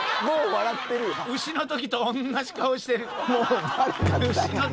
もう笑ってるやん。